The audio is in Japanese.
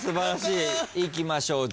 いきましょう